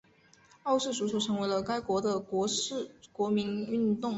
澳式足球成为了该国的国民运动。